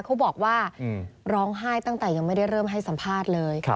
เขาบอกว่าร้องไห้ตั้งแต่ยังไม่ได้เริ่มให้สัมภาษณ์เลย